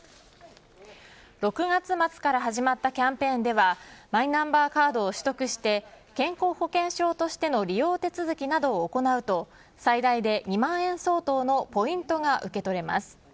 ６月末から始まったキャンペーンではマイナンバーカードを取得して健康保険証としての利用手続きなどを行うと最大で２万円相当のポイントが受け取れます。